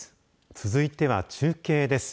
続いては中継です。